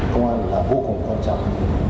công an là vô cùng quan trọng